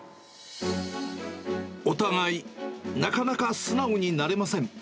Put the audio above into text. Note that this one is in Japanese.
お互い、なかなか素直になれません。